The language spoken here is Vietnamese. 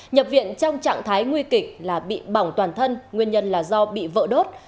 nhập viện trong trạng thái nguy kịch là bị bỏng toàn thân nguyên nhân là do bị vỡ đốt